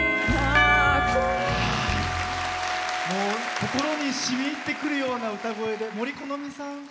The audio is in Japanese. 心にしみいってくるような歌声で、杜このみさん。